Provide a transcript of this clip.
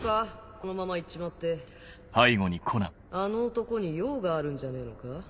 このまま行っちまって・あの男に用があるんじゃねえのか？